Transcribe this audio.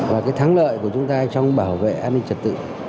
và cái thắng lợi của chúng ta trong bảo vệ an ninh trật tự